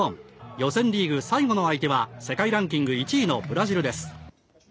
予選リーグ最後の相手は世界ランキング１位のブラジルです。